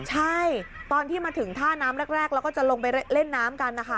ใช่ตอนที่มาถึงท่าน้ำแรกแล้วก็จะลงไปเล่นน้ำกันนะคะ